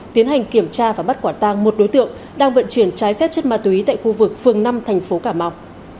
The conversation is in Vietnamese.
tiến hành kiểm tra và bắt quả tang một đối tượng đang vận chuyển trái phép chất ma túy tại khu vực phường năm thành phố cà mau